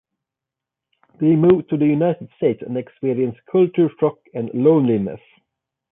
They move to the United States and experience culture shock and loneliness.